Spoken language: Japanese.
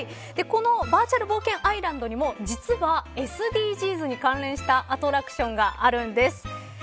このバーチャル冒険アイランドにも実は、ＳＤＧｓに関連したアトラクションがあるんです。